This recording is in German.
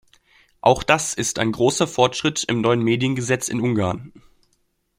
Auch das ist ein großer Fortschritt im neuen Mediengesetz in Ungarn.